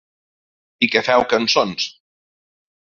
I que feu cançons.